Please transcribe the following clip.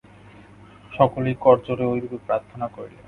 সকলেই করজোড়ে ঐরূপে প্রার্থনা করিলেন।